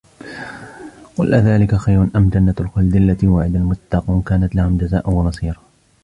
قُلْ أَذَلِكَ خَيْرٌ أَمْ جَنَّةُ الْخُلْدِ الَّتِي وُعِدَ الْمُتَّقُونَ كَانَتْ لَهُمْ جَزَاءً وَمَصِيرًا